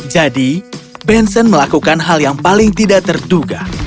jadi benson melakukan hal yang paling tidak terduga